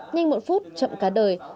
nhanh một phút chậm cả đời